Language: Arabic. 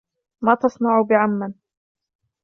مَا تَصْنَعُ بِعَمَّنْ